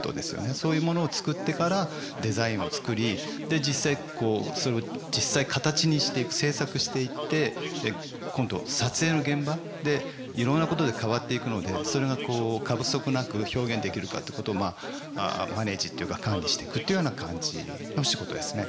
そういうものを作ってからデザインを作りで実際形にしていく制作していって今度撮影の現場でいろんなことで変わっていくのでそれが過不足なく表現できるかってことをまあマネージっていうか管理していくっていうような感じの仕事ですね。